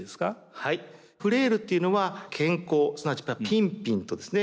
はいフレイルっていうのは健康すなわちピンピンとですね